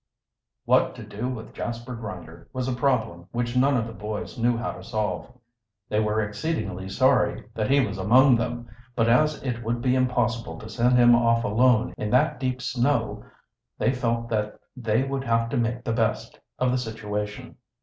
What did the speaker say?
What to do with Jasper Grinder was a problem which none of the boys knew how to solve. They were exceedingly sorry that he was among them, but as it would be impossible to send him off alone in that deep snow, they felt that they would have to make the best of the situation.